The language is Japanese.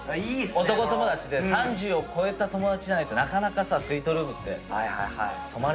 男友達で３０を越えた友達じゃないとなかなかさスイートルームって泊まれないじゃん。